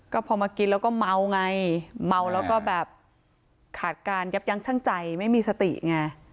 ก็พอมากินแล้วก็เมาไงเมาแล้วก็แบบขาดการยับยั้งชั่งใจไม่มีสติไง